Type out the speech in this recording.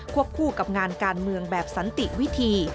คู่กับงานการเมืองแบบสันติวิธี